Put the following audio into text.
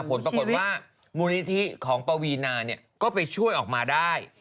ผลปรากฏว่ามูลนิธิของปวีนาก็ไปช่วยออกมาได้